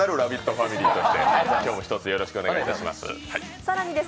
ファミリーとしてよろしくお願いします。